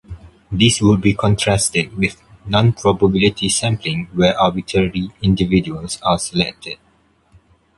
This would be contrasted with nonprobability sampling where arbitrary individuals are selected.